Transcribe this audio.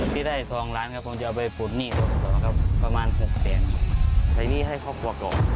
พี่ได้ทองร้านครับผมจะเอาไปปุ่นนี่ต่อครับประมาณ๖เซนใช้หนี้ให้ครอบครัวก่อน